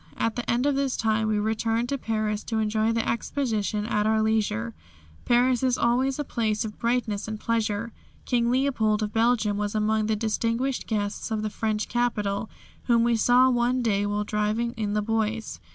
At the end of this time we returned to Paris to enjoy the Exposition at our leisure. Paris is always a place of brightness and pleasure. King Leopold of Belgium was among the distinguished guests of the French capital, whom we saw one day while driving in the Bois.